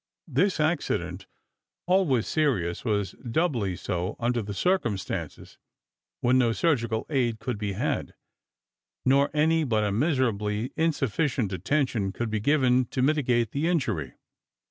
This accident, always serious, was doubly so under the circumstances, when no surgical aid could be had, nor any but a miserably insufficient attention could be given to mitigate the injury.